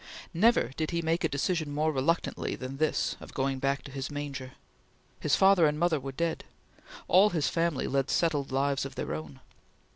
Never did he make a decision more reluctantly than this of going back to his manger. His father and mother were dead. All his family led settled lives of their own.